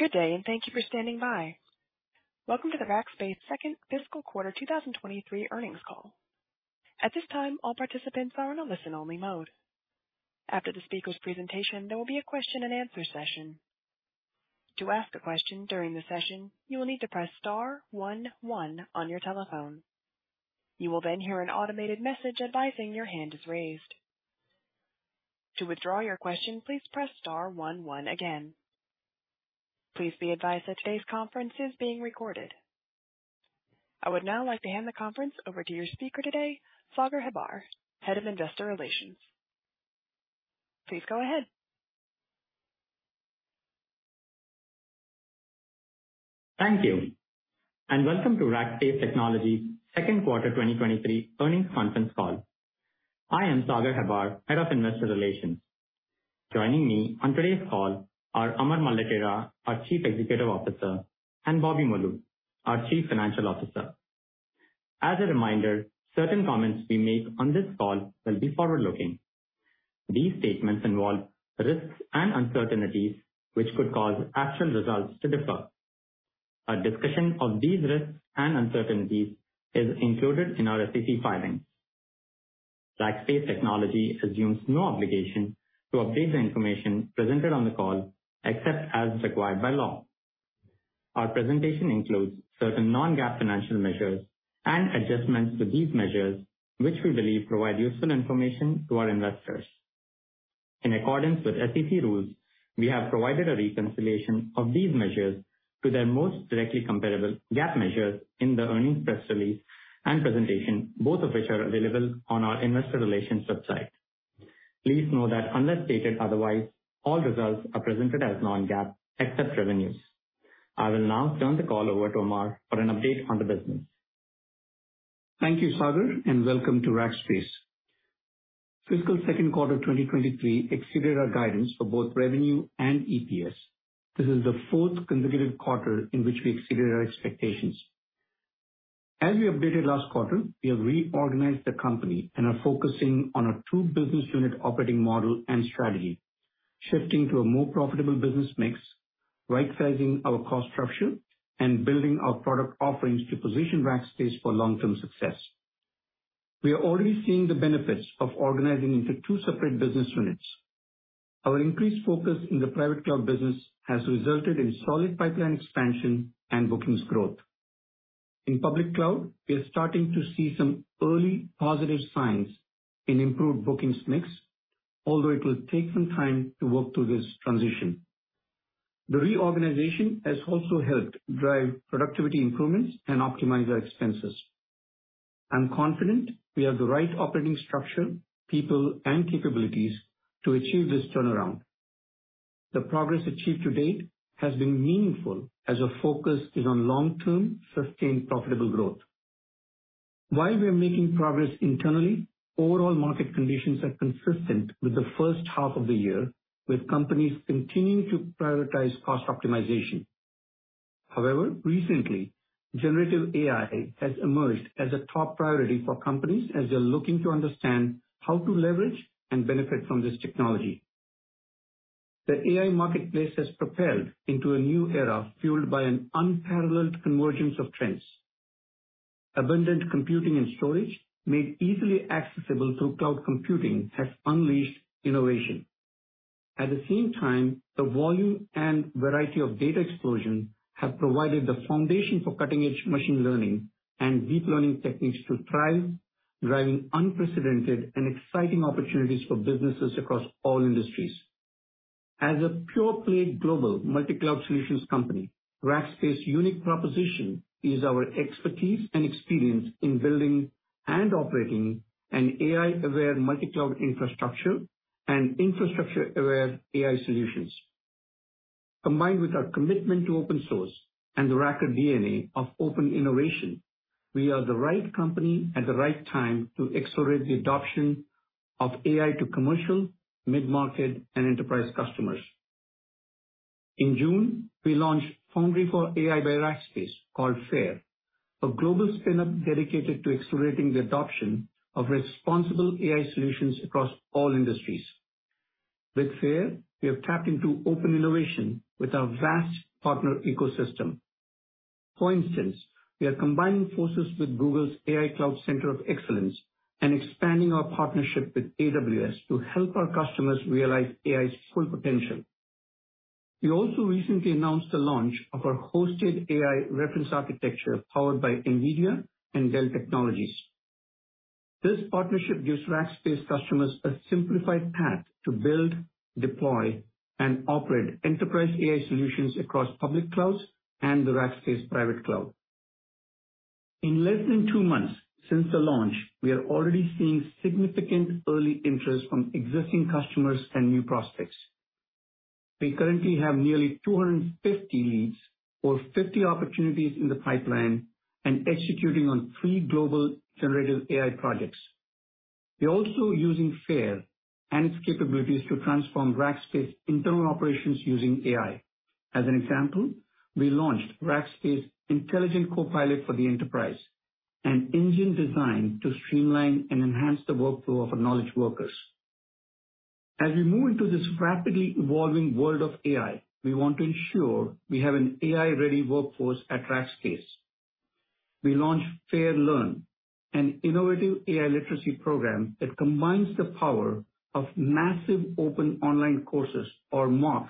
Good day, and thank you for standing by. Welcome to the Rackspace second fiscal quarter 2023 earnings call. At this time, all participants are in a listen-only mode. After the speaker's presentation, there will be a question and answer session. To ask a question during the session, you will need to press star one one on your telephone. You will then hear an automated message advising your hand is raised. To withdraw your question, please press star one one again. Please be advised that today's conference is being recorded. I would now like to hand the conference over to your speaker today, Sagar Hebbar, Head of Investor Relations. Please go ahead. Thank you. Welcome to Rackspace Technology's second quarter 2023 earnings conference call. I am Sagar Hebbar, Head of Investor Relations. Joining me on today's call are Amar Maletira, our Chief Executive Officer, and Bobby Molu, our Chief Financial Officer. As a reminder, certain comments we make on this call will be forward-looking. These statements involve risks and uncertainties which could cause actual results to differ. A discussion of these risks and uncertainties is included in our SEC filings. Rackspace Technology assumes no obligation to update the information presented on the call, except as required by law. Our presentation includes certain non-GAAP financial measures and adjustments to these measures, which we believe provide useful information to our investors. In accordance with SEC rules, we have provided a reconciliation of these measures to their most directly comparable GAAP measures in the earnings press release and presentation, both of which are available on our investor relations website. Please know that unless stated otherwise, all results are presented as non-GAAP, except revenues. I will now turn the call over to Amar for an update on the business. Thank you, Sagar, and welcome to Rackspace. Fiscal second quarter 2023 exceeded our guidance for both revenue and EPS. This is the 4th consecutive quarter in which we exceeded our expectations. As we updated last quarter, we have reorganized the company and are focusing on our 2 business unit operating model and strategy, shifting to a more profitable business mix, right-sizing our cost structure, and building our product offerings to position Rackspace for long-term success. We are already seeing the benefits of organizing into 2 separate business units. Our increased focus in the Private Cloud business has resulted in solid pipeline expansion and bookings growth. In Public Cloud, we are starting to see some early positive signs in improved bookings mix, although it will take some time to work through this transition. The reorganization has also helped drive productivity improvements and optimize our expenses. I'm confident we have the right operating structure, people, and capabilities to achieve this turnaround. The progress achieved to date has been meaningful as our focus is on long-term, sustained, profitable growth. While we are making progress internally, overall market conditions are consistent with the first half of the year, with companies continuing to prioritize cost optimization. However, recently, generative AI has emerged as a top priority for companies as they're looking to understand how to leverage and benefit from this technology. The AI marketplace has propelled into a new era, fueled by an unparalleled convergence of trends. Abundant computing and storage, made easily accessible through cloud computing, have unleashed innovation. At the same time, the volume and variety of data explosion have provided the foundation for cutting-edge machine learning and deep learning techniques to thrive, driving unprecedented and exciting opportunities for businesses across all industries. As a pure-play global multi-cloud solutions company, Rackspace's unique proposition is our expertise and experience in building and operating an AI-aware multi-cloud infrastructure and infrastructure-aware AI solutions. Combined with our commitment to open source and the Racker DNA of open innovation, we are the right company at the right time to accelerate the adoption of AI to commercial, mid-market, and enterprise customers. In June, we launched Foundry for AI by Rackspace, called FAIR, a global spin-up dedicated to accelerating the adoption of responsible AI solutions across all industries. With FAIR, we have tapped into open innovation with our vast partner ecosystem. For instance, we are combining forces with Google's AI Cloud Center of Excellence and expanding our partnership with AWS to help our customers realize AI's full potential. We also recently announced the launch of our hosted AI reference architecture, powered by NVIDIA and Dell Technologies. This partnership gives Rackspace customers a simplified path to build, deploy, and operate enterprise AI solutions across public clouds and the Rackspace private cloud. In less than two months since the launch, we are already seeing significant early interest from existing customers and new prospects. We currently have nearly 250 leads or 50 opportunities in the pipeline and executing on three global generative AI projects. We're also using FAIR and its capabilities to transform Rackspace internal operations using AI. As an example, we launched Rackspace Intelligent Co-pilot for the Enterprise, an engine designed to streamline and enhance the workflow of our knowledge workers. As we move into this rapidly evolving world of AI, we want to ensure we have an AI-ready workforce at Rackspace. We launched FAIR Learn, an innovative AI literacy program that combines the power of Massive Open Online Courses, or MOOCs,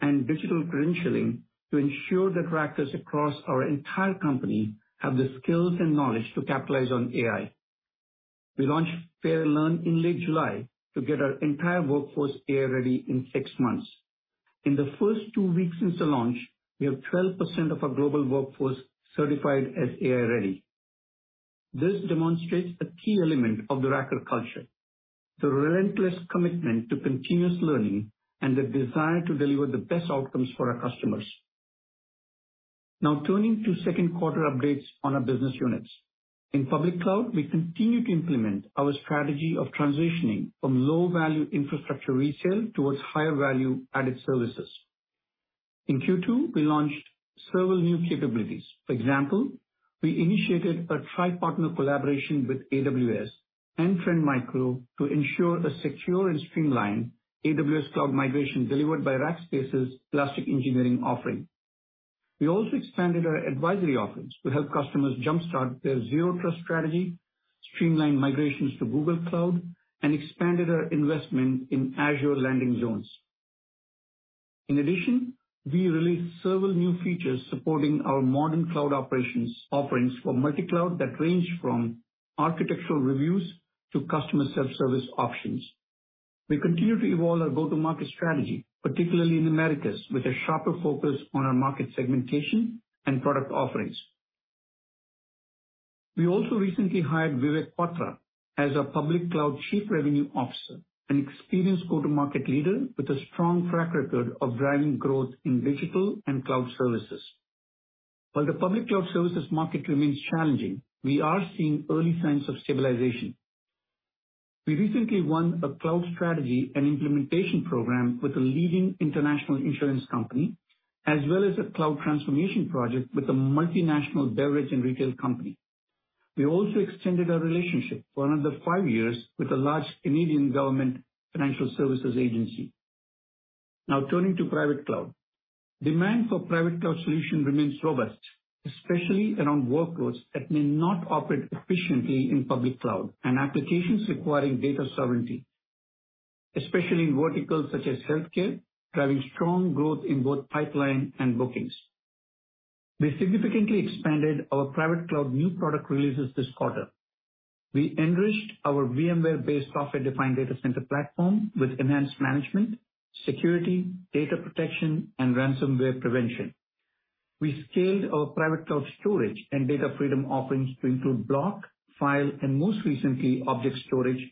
and digital credentialing to ensure that Rackers across our entire company have the skills and knowledge to capitalize on AI. We launched FAIR Learn in late July to get our entire workforce AI-ready in six months. In the first two weeks since the launch, we have 12% of our global workforce certified as AI-ready. This demonstrates a key element of the Racker culture, the relentless commitment to continuous learning and the desire to deliver the best outcomes for our customers. Turning to second quarter updates on our business units. In Public Cloud, we continue to implement our strategy of transitioning from low-value infrastructure resale towards higher value-added services. In Q2, we launched several new capabilities. For example, we initiated a tri-partner collaboration with AWS and Trend Micro to ensure a secure and streamlined AWS cloud migration delivered by Rackspace's Elastic Engineering offering. We also expanded our advisory offerings to help customers jumpstart their zero-trust strategy, streamline migrations to Google Cloud, and expanded our investment in Azure landing zones. In addition, we released several new features supporting our modern cloud operations offerings for multi-cloud that range from architectural reviews to customer self-service options. We continue to evolve our go-to-market strategy, particularly in Americas, with a sharper focus on our market segmentation and product offerings. We also recently hired Vivek Patra as our Public Cloud Chief Revenue Officer, an experienced go-to-market leader with a strong track record of driving growth in digital and cloud services. While the public cloud services market remains challenging, we are seeing early signs of stabilization. We recently won a cloud strategy and implementation program with a leading international insurance company, as well as a cloud transformation project with a multinational beverage and retail company. We extended our relationship for another 5 years with a large Canadian government financial services agency. Turning to private cloud. Demand for private cloud solution remains robust, especially around workloads that may not operate efficiently in public cloud, and applications requiring data sovereignty, especially in verticals such as healthcare, driving strong growth in both pipeline and bookings. We significantly expanded our private cloud new product releases this quarter. We enriched our VMware-based software-defined data center platform with enhanced management, security, data protection, and ransomware prevention. We scaled our private cloud storage and data freedom offerings to include block, file, and most recently, object storage,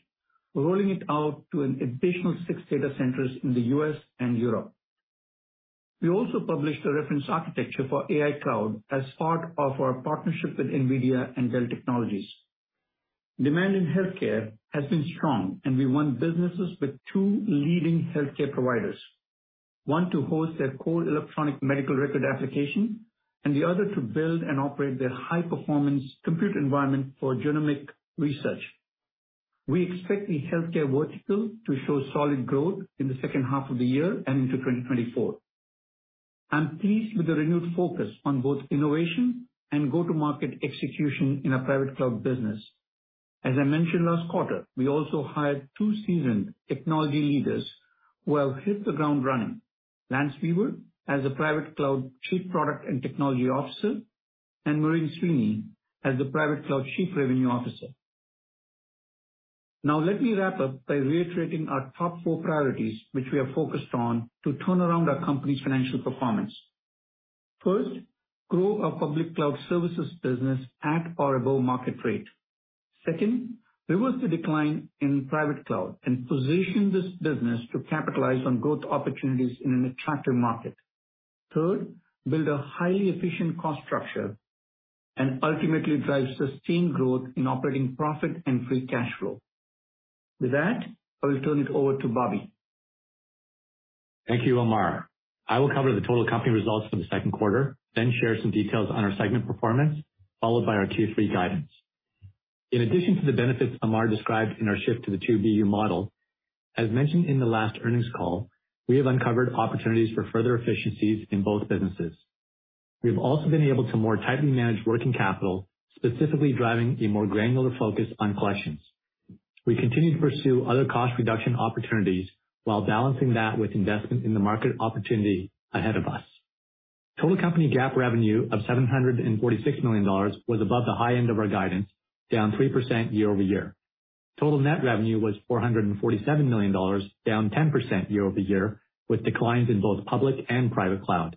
rolling it out to an additional 6 data centers in the U.S. and Europe. We also published a reference architecture for AI cloud as part of our partnership with NVIDIA and Dell Technologies. Demand in healthcare has been strong. We won businesses with 2 leading healthcare providers, one to host their core electronic medical record application, and the other to build and operate their high-performance compute environment for genomic research. We expect the healthcare vertical to show solid growth in the second half of the year and into 2024. I'm pleased with the renewed focus on both innovation and go-to-market execution in our Private Cloud business. As I mentioned last quarter, we also hired 2 seasoned technology leaders who have hit the ground running. Lance Weaver, as the Private Cloud Chief Product and Technology Officer, and Maureen Sweeney as the Private Cloud Chief Revenue Officer. Now let me wrap up by reiterating our top 4 priorities, which we are focused on to turn around our company's financial performance. First, grow our public cloud services business at or above market rate. Second, reverse the decline in private cloud and position this business to capitalize on growth opportunities in an attractive market. Third, build a highly efficient cost structure and ultimately drive sustained growth in operating profit and free cash flow. With that, I will turn it over to Bobby. Thank you, Amar. I will cover the total company results for the second quarter, then share some details on our segment performance, followed by our Q3 guidance. In addition to the benefits Amar described in our shift to the 2BU model, as mentioned in the last earnings call, we have uncovered opportunities for further efficiencies in both businesses. We've also been able to more tightly manage working capital, specifically driving a more granular focus on collections. We continue to pursue other cost reduction opportunities while balancing that with investment in the market opportunity ahead of us. Total company GAAP revenue of $746 million was above the high end of our guidance, down 3% year-over-year. Total net revenue was $447 million, down 10% year-over-year, with declines in both public and private cloud.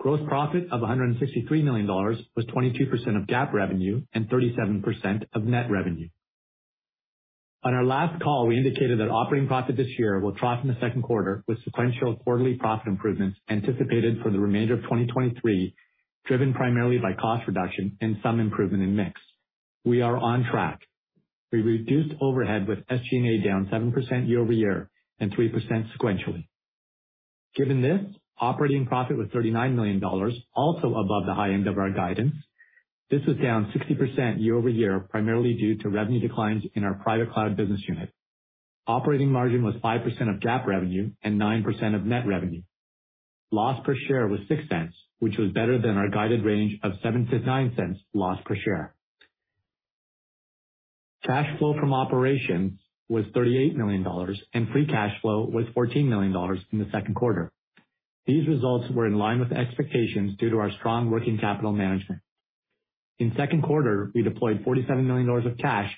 Gross profit of $163 million was 22% of GAAP revenue and 37% of net revenue. On our last call, we indicated that operating profit this year will trough in the second quarter, with sequential quarterly profit improvements anticipated for the remainder of 2023, driven primarily by cost reduction and some improvement in mix. We are on track. We reduced overhead with SG&A down 7% year-over-year and 3% sequentially. Given this, operating profit was $39 million, also above the high end of our guidance. This was down 60% year-over-year, primarily due to revenue declines in our private cloud business unit. Operating margin was 5% of GAAP revenue and 9% of net revenue. Loss per share was $0.06, which was better than our guided range of $0.07-$0.09 loss per share. Cash flow from operations was $38 million, and free cash flow was $14 million in the second quarter. These results were in line with expectations due to our strong working capital management. In second quarter, we deployed $47 million of cash,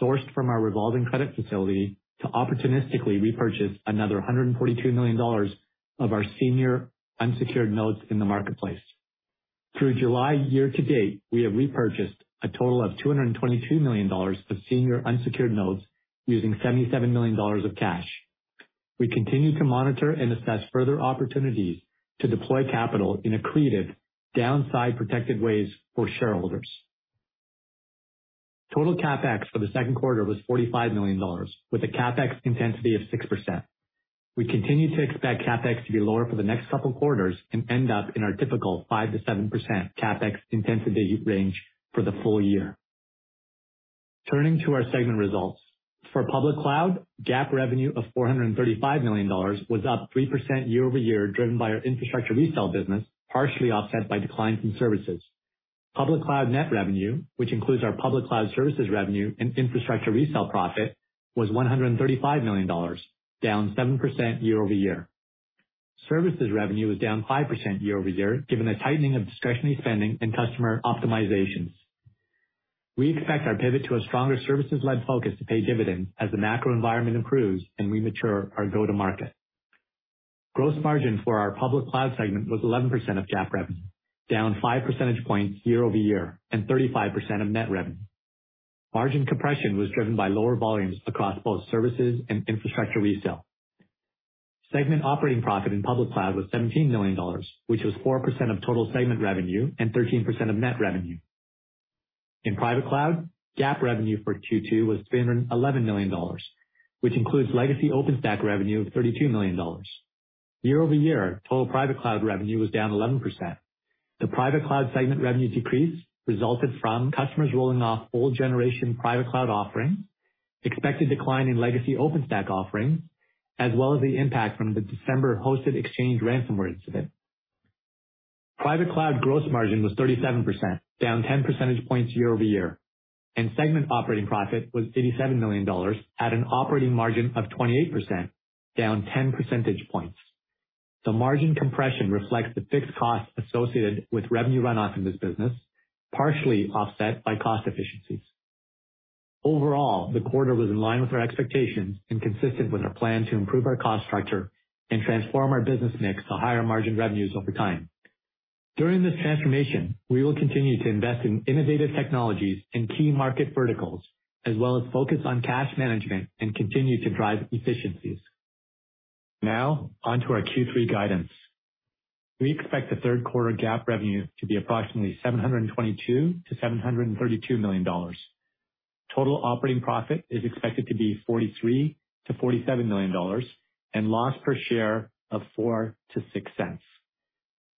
sourced from our revolving credit facility, to opportunistically repurchase another $142 million of our senior unsecured notes in the marketplace. Through July year-to-date, we have repurchased a total of $222 million of senior unsecured notes, using $77 million of cash. We continue to monitor and assess further opportunities to deploy capital in accretive, downside-protected ways for shareholders. Total CapEx for the second quarter was $45 million, with a CapEx intensity of 6%. We continue to expect CapEx to be lower for the next couple quarters and end up in our typical 5%-7% CapEx intensity range for the full year. Turning to our segment results. For public Cloud, GAAP revenue of $435 million was up 3% year-over-year, driven by our infrastructure resale business, partially offset by declines in services. Public cloud net revenue, which includes our public cloud services revenue and infrastructure resale profit, was $135 million, down 7% year-over-year. Services revenue was down 5% year-over-year, given the tightening of discretionary spending and customer optimizations. We expect our pivot to a stronger services-led focus to pay dividends as the macro environment improves and we mature our go-to-market. Gross margin for our public cloud segment was 11% of GAAP revenue, down 5% year-over-year, and 35% of net revenue. Margin compression was driven by lower volumes across both services and infrastructure resale. Segment operating profit in public cloud was $17 million, which was 4% of total segment revenue and 13% of net revenue. In private cloud, GAAP revenue for Q2 was $311 million, which includes legacy OpenStack revenue of $32 million. Year-over-year, total private cloud revenue was down 11%. The private cloud segment revenue decrease resulted from customers rolling off old generation private cloud offerings, expected decline in legacy OpenStack offerings, as well as the impact from the December Hosted Exchange ransomware incident. Private cloud gross margin was 37%, down 10% year-over-year, and segment operating profit was $87 million at an operating margin of 28%, down 10 percentage points. The margin compression reflects the fixed costs associated with revenue run off in this business, partially offset by cost efficiencies. Overall, the quarter was in line with our expectations and consistent with our plan to improve our cost structure and transform our business mix to higher margin revenues over time. During this transformation, we will continue to invest in innovative technologies and key market verticals, as well as focus on cash management and continue to drive efficiencies. On to our Q3 guidance. We expect the third quarter GAAP revenue to be approximately $722 million-$732 million. Total operating profit is expected to be $43 million-$47 million, and loss per share of $0.04-$0.06.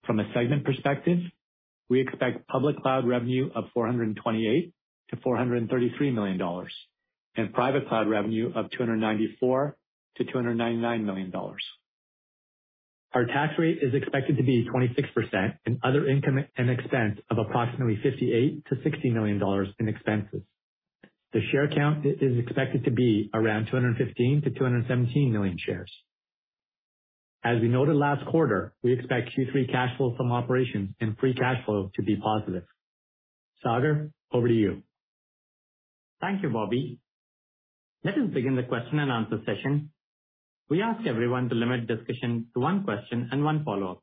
From a segment perspective, we expect Public Cloud revenue of $428 million-$433 million and Private Cloud revenue of $294 million-$299 million. Other income and expense of approximately $58 million-$60 million in expenses. Our tax rate is expected to be 26%. The share count is expected to be around 215 million-217 million shares. As we noted last quarter, we expect Q3 cash flow from operations and free cash flow to be positive. Sagar, over to you. Thank you, Bobby. Let us begin the question-and-answer session. We ask everyone to limit discussion to one question and one follow-up.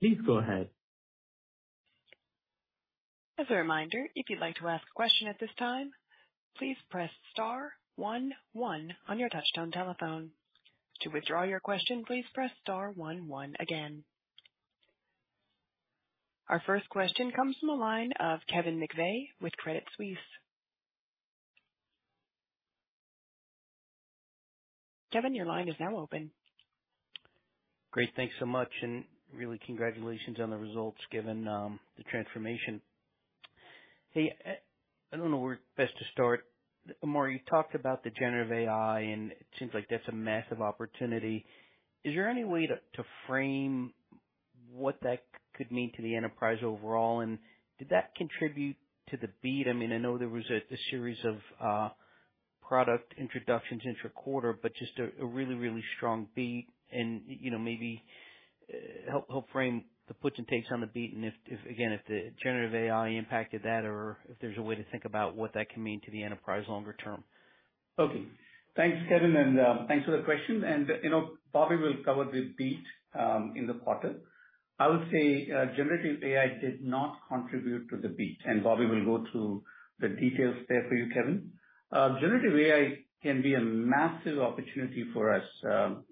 Please go ahead. As a reminder, if you'd like to ask a question at this time, please press star one one on your touchtone telephone. To withdraw your question, please press star one one again. Our first question comes from the line of Kevin McVeigh with Credit Suisse. Kevin, your line is now open. Great. Thanks so much, really congratulations on the results, given the transformation. Hey, I don't know where best to start. Amar, you talked about the generative AI, it seems like that's a massive opportunity. Is there any way to frame what that could mean to the enterprise overall? Did that contribute to the beat? I mean, I know there was a series of product introductions intraquarter, but just a really, really strong beat and, you know, maybe help frame the puts and takes on the beat and if again, if the generative AI impacted that or if there's a way to think about what that can mean to the enterprise longer term. Okay. Thanks, Kevin, and thanks for the question. You know, Bobby will cover the beat in the quarter. I would say, generative AI did not contribute to the beat, and Bobby will go through the details there for you, Kevin. Generative AI can be a massive opportunity for us,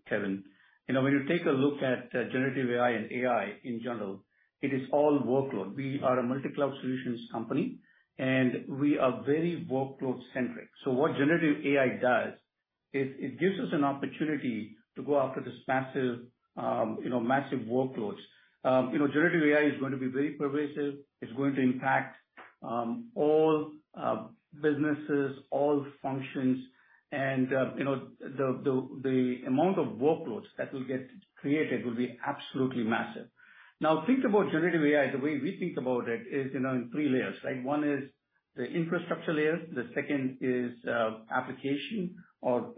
Kevin. You know, when you take a look at generative AI and AI in general, it is all workload. We are a multi-cloud solutions company, and we are very workload-centric. What generative AI does- It gives us an opportunity to go after this massive, you know, massive workloads. You know, Generative AI is going to be very pervasive. It's going to impact all businesses, all functions, and, you know, the amount of workloads that will get created will be absolutely massive. Now, think about Generative AI. The way we think about it is, you know, in three layers, right? One is the infrastructure layer, the second is application or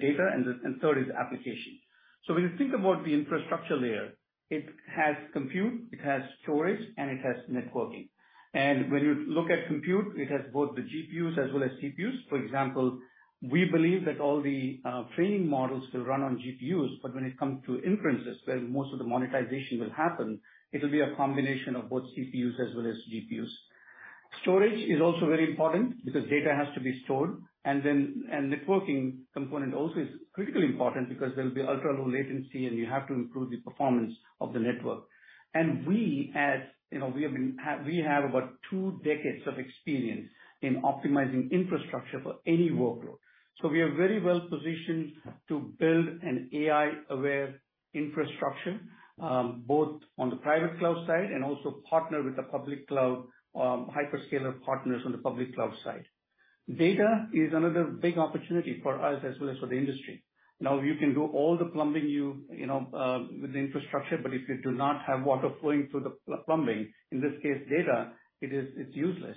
data, and the third is application. When you think about the infrastructure layer, it has compute, it has storage, and it has networking. When you look at compute, it has both the GPUs as well as CPUs. For example, we believe that all the training models will run on GPUs. When it comes to inferences, where most of the monetization will happen, it'll be a combination of both CPUs as well as GPUs. Storage is also very important because data has to be stored, and networking component also is critically important because there will be ultra-low latency, and you have to improve the performance of the network. We as, you know, we have been, we have about two decades of experience in optimizing infrastructure for any workload. We are very well positioned to build an AI-aware infrastructure, both on the private cloud side and also partner with the public cloud, hyperscaler partners on the public cloud side. Data is another big opportunity for us as well as for the industry. Now, you can do all the plumbing you, you know, with the infrastructure, but if you do not have water flowing through the plumbing, in this case, data, it is, it's useless.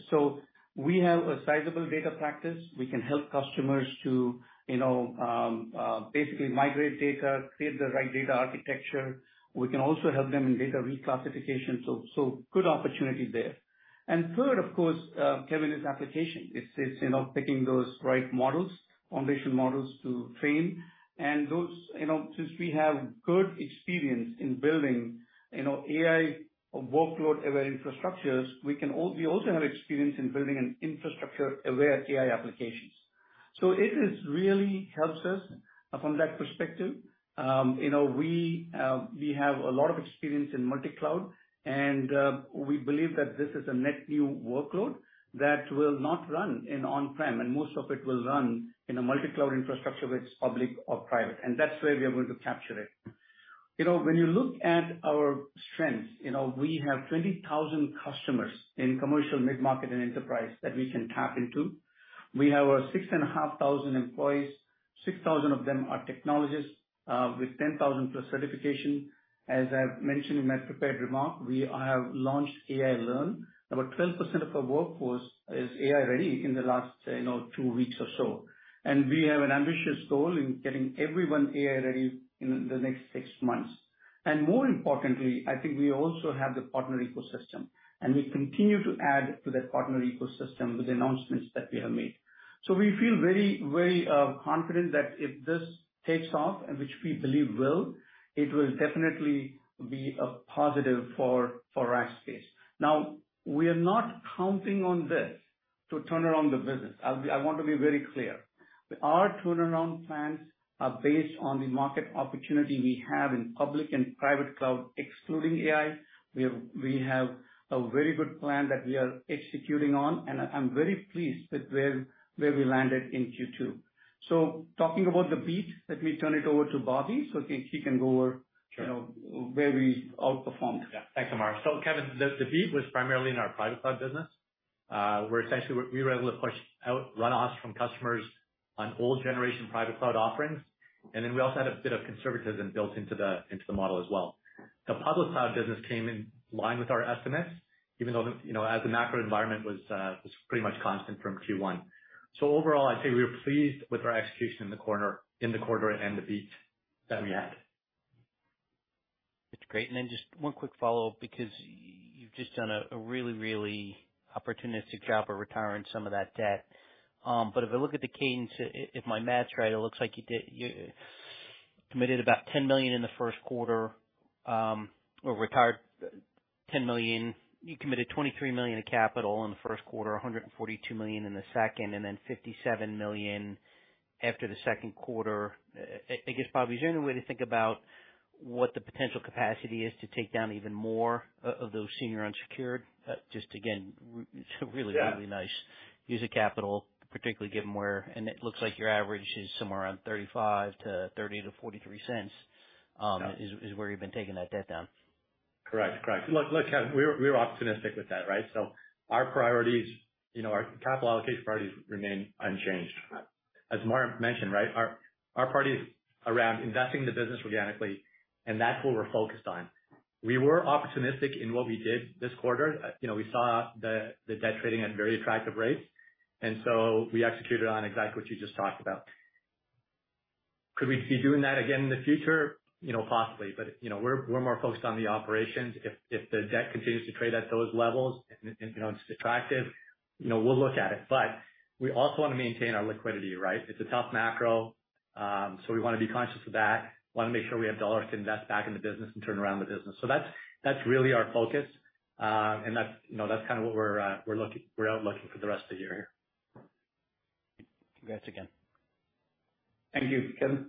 We have a sizable data practice. We can help customers to, you know, basically migrate data, create the right data architecture. We can also help them in data reclassification, so, so good opportunity there. Third, of course, Kevin, is application. It's, it's, you know, picking those right models, foundation models to train. Those, you know, since we have good experience in building, you know, AI workload-aware infrastructures, we also have experience in building an infrastructure-aware AI applications. It is really helps us from that perspective. You know, we have a lot of experience in multi-cloud, and we believe that this is a net new workload that will not run in on-prem, and most of it will run in a multi-cloud infrastructure, whether it's public or private, and that's where we are going to capture it. You know, when you look at our strengths, you know, we have 20,000 customers in commercial mid-market and enterprise that we can tap into. We have 6,500 employees. 6,000 of them are technologists with 10,000 plus certification. As I've mentioned in my prepared remark, we have launched AI Learn. About 12% of our workforce is AI-ready in the last, you know, two weeks or so. We have an ambitious goal in getting everyone AI-ready in the next six months. More importantly, I think we also have the partner ecosystem, and we continue to add to that partner ecosystem with announcements that we have made. We feel very, very confident that if this takes off, and which we believe will, it will definitely be a positive for, for Rackspace. We are not counting on this to turn around the business. I want to be very clear. Our turnaround plans are based on the market opportunity we have in public and private cloud, excluding AI. We have a very good plan that we are executing on, and I'm very pleased with where we landed in Q2. Talking about the beat, let me turn it over to Bobby, so he can go over. Sure. You know, where we outperformed. Yeah. Thanks, Amar. Kevin, the beat was primarily in our private cloud business, where essentially we, we were able to push out runoffs from customers on old generation private cloud offerings, and then we also had a bit of conservatism built into the, into the model as well. The public cloud business came in line with our estimates, even though the, you know, as the macro environment was pretty much constant from Q1. Overall, I'd say we were pleased with our execution in the quarter, in the quarter and the beat that we had. It's great. Then just one quick follow-up, because you've just done a really, really opportunistic job of retiring some of that debt. If I look at the cadence, if my math's right, it looks like you committed about $10 million in the first quarter, or retired $10 million. You committed $23 million in capital in the first quarter, $142 million in the second, and then $57 million after the second quarter. I, I guess, Bobby, is there any way to think about what the potential capacity is to take down even more of those senior unsecured? Just again, it's really. Yeah. Really nice use of capital, particularly given where... It looks like your average is somewhere around $0.35 to $0.30 to $0.43. Yeah. is where you've been taking that debt down. Correct, correct. Look, look, Kevin, we're, we're opportunistic with that, right? Our priorities, you know, our capital allocation priorities remain unchanged. As Amar mentioned, right, our, our priority is around investing in the business organically, and that's what we're focused on. We were opportunistic in what we did this quarter. You know, we saw the, the debt trading at very attractive rates, and so we executed on exactly what you just talked about. Could we be doing that again in the future? You know, possibly, but, you know, we're, we're more focused on the operations. If, if the debt continues to trade at those levels, and, and, you know, it's attractive, you know, we'll look at it. We also want to maintain our liquidity, right? It's a tough macro, so we want to be conscious of that. Want to make sure we have dollars to invest back in the business and turn around the business. That's, that's really our focus, and that's, you know, that's kind of what we're we're out looking for the rest of the year here. Thanks again. Thank you, Kevin.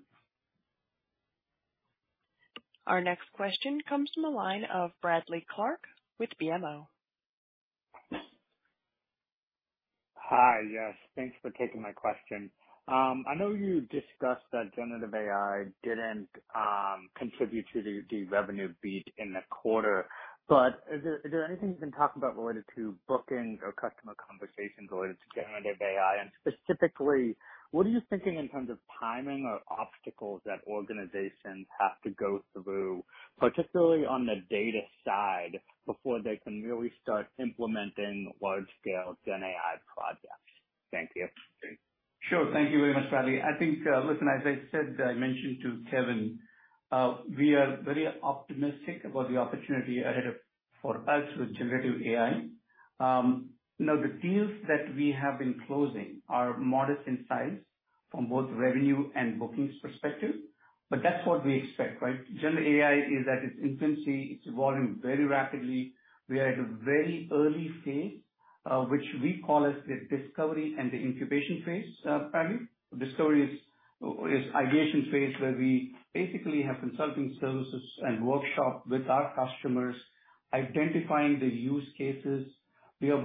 Our next question comes from the line of Bradley Clark with BMO. Hi. Yes, thanks for taking my question. I know you discussed that generative AI didn't contribute to the, the revenue beat in the quarter, but is there, is there anything you can talk about related to bookings or customer conversations related to generative AI? Specifically, what are you thinking in terms of timing or obstacles that organizations have to go through, particularly on the data side, before they can really start implementing large-scale GenAI projects? Thank you. Sure. Thank you very much, Bradley. I think, listen, as I said, I mentioned to Kevin, we are very optimistic about the opportunity for us with generative AI. You know, the deals that we have been closing are modest in size from both revenue and bookings perspective, but that's what we expect, right? Generative AI is at its infancy. It's evolving very rapidly. We are at a very early phase, which we call as the discovery and the incubation phase, Bradley. Discovery is, is ideation phase, where we basically have consulting services and workshop with our customers, identifying the use cases. We have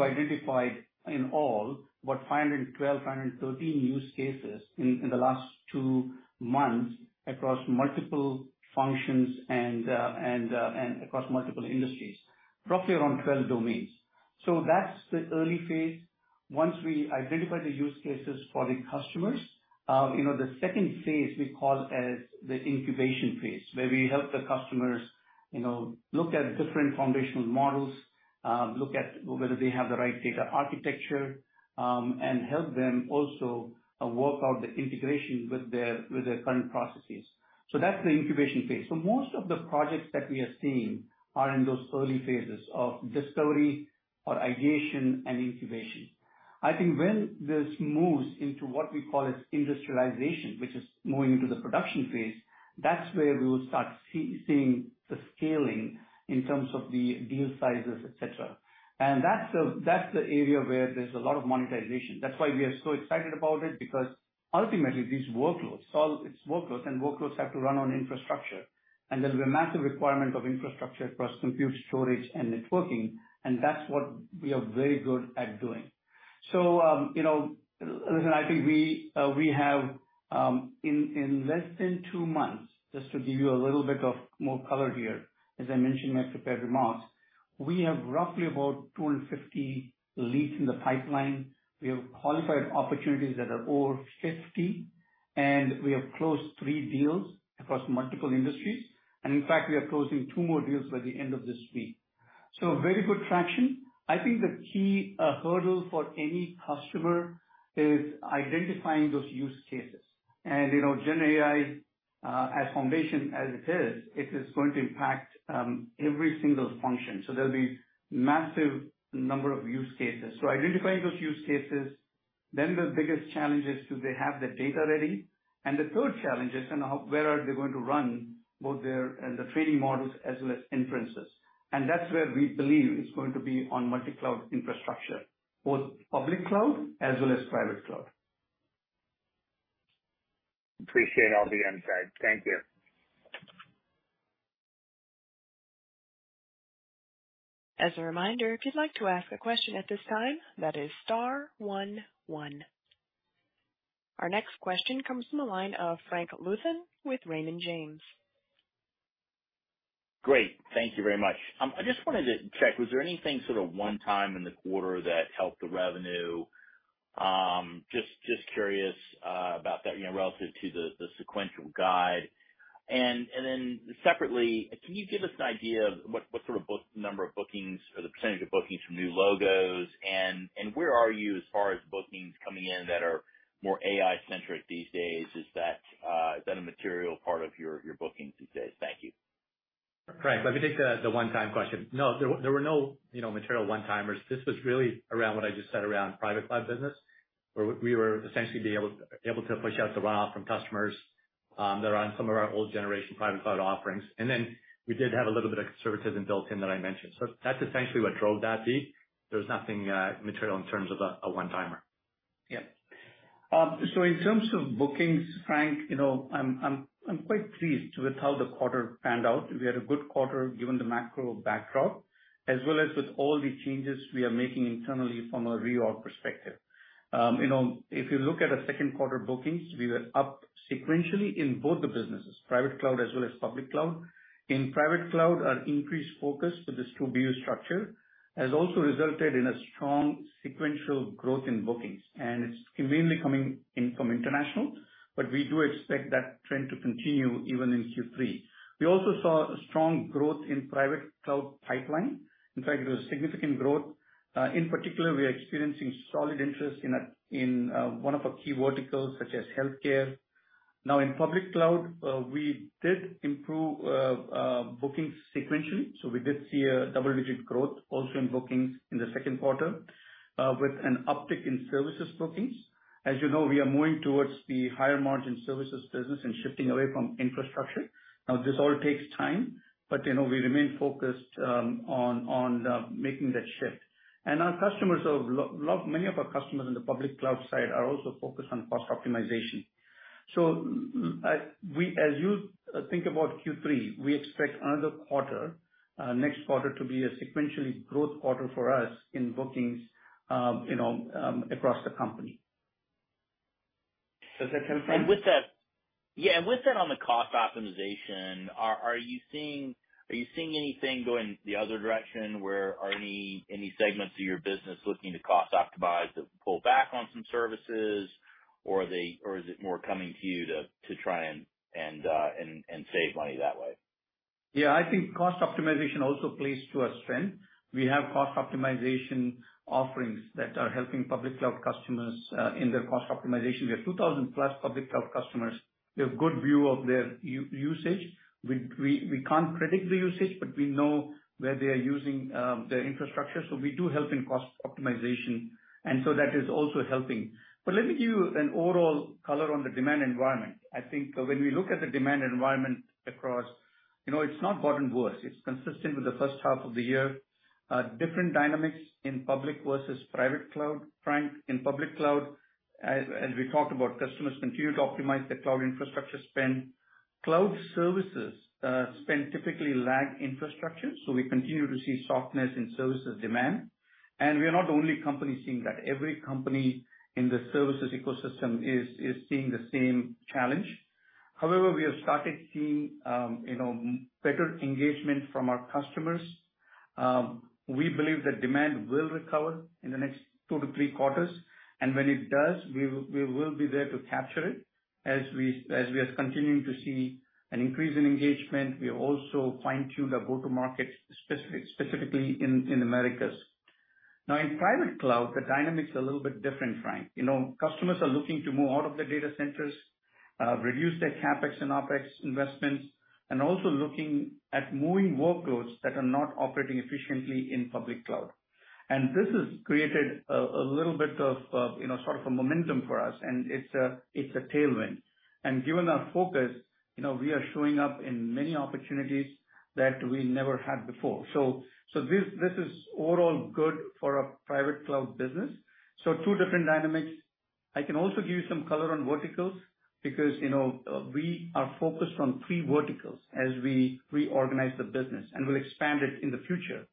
identified in all, what, 512, 513 use cases in the last two months across multiple functions and across multiple industries, roughly around 12 domains. That's the early phase. Once we identify the use cases for the customers, you know, the second phase we call as the incubation phase, where we help the customers, you know, look at different foundational models, look at whether they have the right data architecture, and help them also work out the integration with their, with their current processes. That's the incubation phase. Most of the projects that we are seeing are in those early phases of discovery or ideation and incubation. I think when this moves into what we call as industrialization, which is moving into the production phase, that's where we will start seeing the scaling in terms of the deal sizes, et cetera. That's the, that's the area where there's a lot of monetization. That's why we are so excited about it, because ultimately, these workloads, all it's workloads, and workloads have to run on infrastructure. There'll be a massive requirement of infrastructure across compute, storage, and networking, and that's what we are very good at doing. You know, listen, I think we have in less than 2 months, just to give you a little bit of more color here, as I mentioned in my prepared remarks, we have roughly about 250 leads in the pipeline. We have qualified opportunities that are over 50. We have closed 3 deals across multiple industries. In fact, we are closing 2 more deals by the end of this week. Very good traction. I think the key hurdle for any customer is identifying those use cases. You know, GenAI, as foundation as it is, it is going to impact every single function. There'll be massive number of use cases. Identifying those use cases, then the biggest challenge is, do they have the data ready? The third challenge is, you know, where are they going to run both their the training models as well as inferences. That's where we believe it's going to be on multi-cloud infrastructure, both public cloud as well as private cloud. Appreciate all the insight. Thank you. As a reminder, if you'd like to ask a question at this time, that is star one one. Our next question comes from the line of Frank Louthan with Raymond James. Great. Thank you very much. I just wanted to check, was there anything sort of one time in the quarter that helped the revenue? Just, just curious, about that, you know, relative to the, the sequential guide. Then separately, can you give us an idea of what, what sort of number of bookings or the % of bookings from new logos? Where are you as far as bookings coming in that are more AI centric these days? Is that, that a material part of your, your bookings these days? Thank you. Frank, let me take the, the one-time question. No, there were, there were no, you know, material one-timers. This was really around what I just said around private cloud business, where we, we were essentially able to push out the runoff from customers, that are on some of our old generation private cloud offerings. We did have a little bit of conservatism built in that I mentioned. That's essentially what drove that beat. There's nothing material in terms of a one-timer. Yeah. In terms of bookings, Frank, you know, I'm, I'm, I'm quite pleased with how the quarter panned out. We had a good quarter, given the macro backdrop, as well as with all the changes we are making internally from a reorg perspective. You know, if you look at the second quarter bookings, we were up sequentially in both the businesses, private cloud as well as public cloud. In private cloud, our increased focus with this 2BU structure, has also resulted in a strong sequential growth in bookings, and it's mainly coming in from international, but we do expect that trend to continue even in Q3. We also saw a strong growth in private cloud pipeline. In fact, it was significant growth. In particular, we are experiencing solid interest in one of our key verticals, such as healthcare. In public cloud, we did improve bookings sequentially, so we did see a double-digit growth also in bookings in the second quarter with an uptick in services bookings. As you know, we are moving towards the higher margin services business and shifting away from infrastructure. This all takes time, but, you know, we remain focused on making that shift. Our customers are many of our customers in the public cloud side are also focused on cost optimization. We, as you think about Q3, we expect another quarter next quarter to be a sequentially growth quarter for us in bookings, you know, across the company. Does that confirm? With that, yeah, and with that on the cost optimization, are, are you seeing, are you seeing anything going the other direction? Where are any, any segments of your business looking to cost optimize to pull back on some services? Or are they, or is it more coming to you to, to try and, and, and save money that way? Yeah, I think cost optimization also plays to our strength. We have cost optimization offerings that are helping public cloud customers in their cost optimization. We have 2,000-plus public cloud customers. We have good view of their usage. We can't predict the usage, but we know where they are using their infrastructure. We do help in cost optimization, and so that is also helping. Let me give you an overall color on the demand environment. I think when we look at the demand environment across, you know, it's not gotten worse, it's consistent with the first half of the year. Different dynamics in public versus private cloud, Frank. In public cloud, as we talked about, customers continue to optimize their cloud infrastructure spend. Cloud services spend typically lag infrastructure, so we continue to see softness in services demand, and we are not the only company seeing that. Every company in the services ecosystem is, is seeing the same challenge. However, we have started seeing, you know, better engagement from our customers. We believe that demand will recover in the next 2-3 quarters, and when it does, we will, we will be there to capture it. As we, as we are continuing to see an increase in engagement, we have also fine-tuned our go-to market, specifically in, in Americas. Now, in Private Cloud, the dynamic's a little bit different, Frank. You know, customers are looking to move out of the data centers, reduce their CapEx and OpEx investments, and also looking at moving workloads that are not operating efficiently in public cloud. This has created a little bit of, you know, sort of a momentum for us, and it's a tailwind. Given our focus, you know, we are showing up in many opportunities that we never had before. This is overall good for our private cloud business. Two different dynamics. I can also give you some color on verticals because, you know, we are focused on three verticals as we reorganize the business, and we'll expand it in the future.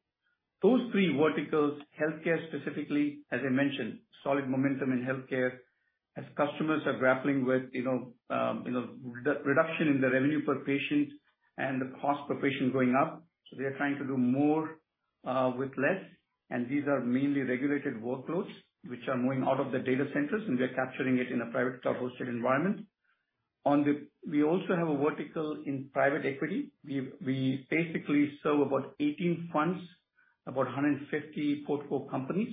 Those three verticals, healthcare specifically, as I mentioned, solid momentum in healthcare as customers are grappling with, you know, you know, the reduction in the revenue per patient and the cost per patient going up. They are trying to do more with less. These are mainly regulated workloads, which are moving out of the data centers, and we are capturing it in a private cloud-hosted environment. We also have a vertical in private equity. We basically serve about 18 funds, about 150 portfolio companies,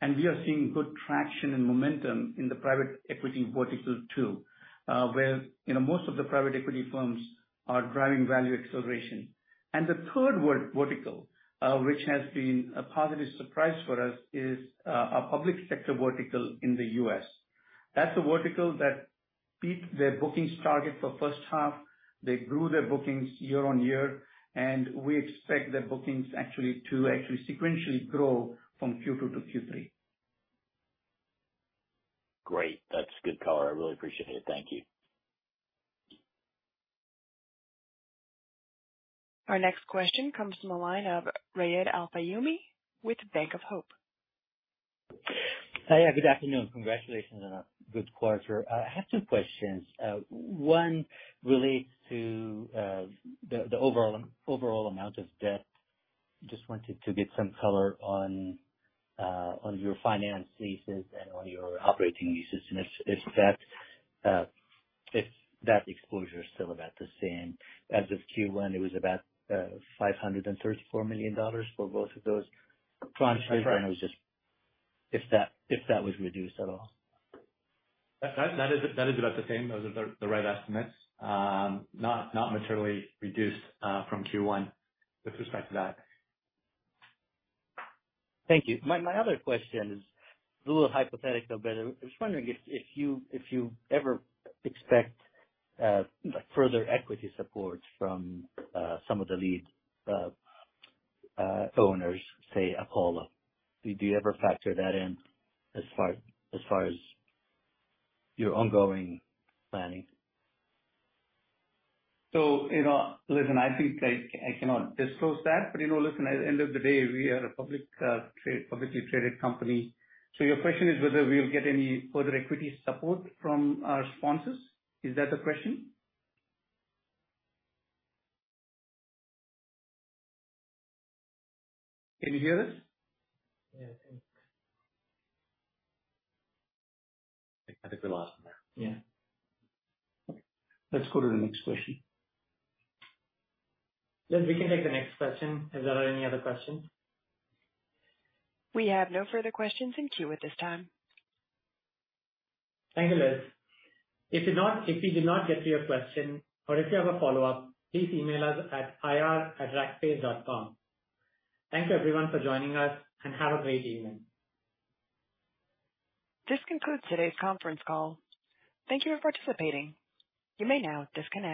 and we are seeing good traction and momentum in the private equity vertical, too, where, you know, most of the private equity firms are driving value acceleration. The third vertical, which has been a positive surprise for us, is a public sector vertical in the U.S. That's a vertical that beat their bookings target for first half. They grew their bookings year-over-year, and we expect their bookings actually to actually sequentially grow from Q2 to Q3. Great. That's good color. I really appreciate it. Thank you. Our next question comes from the line of Raed Alfayoumi with Bank of Hope. Hi, good afternoon. Congratulations on a good quarter. I have two questions. One relates to the overall, overall amount of debt. Just wanted to get some color on on your finance leases and on your operating leases, and if that exposure is still about the same. As of Q1, it was about $534 million for both of those transactions. Right. If that, if that was reduced at all. That is about the same. Those are the right estimates. Not materially reduced from Q1 with respect to that. Thank you. My, my other question is a little hypothetical, but I was wondering if, if you, if you ever expect further equity support from some of the lead owners, say, Apollo? Do you ever factor that in as far as your ongoing planning? you know, listen, I think I, I cannot disclose that. you know, listen, at the end of the day, we are a public, trade, publicly traded company. your question is whether we'll get any further equity support from our sponsors? Is that the question? Can you hear us? Yeah, I think. I think we lost him there. Yeah. Let's go to the next question. Liz, we can take the next question. Is there any other questions? We have no further questions in queue at this time. Thank you, Liz. If we did not get to your question or if you have a follow-up, please email us at ir@rackspace.com. Thank you everyone for joining us, and have a great evening. This concludes today's conference call. Thank you for participating. You may now disconnect.